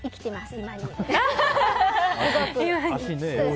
今に。